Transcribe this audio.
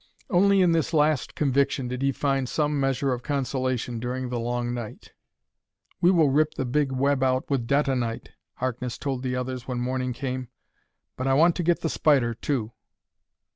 Only in this last conviction did he find some measure of consolation during the long night. "We will rip the big web out with detonite," Harkness told the others when morning came. "But I want to get the spider, too."